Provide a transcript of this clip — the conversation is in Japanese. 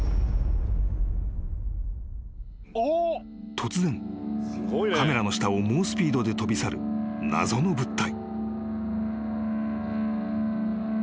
［突然カメラの下を猛スピードで飛び去る謎の物体］